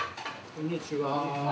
こんにちは！